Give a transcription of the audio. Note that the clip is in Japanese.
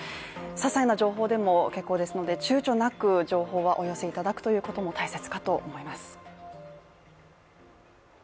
ささいな情報でも結構ですので、躊躇なく情報はお寄せいただくことも大切かと思います。